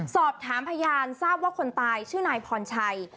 สอบถามพยานทราบว่าคนตายชื่อนายพรชัย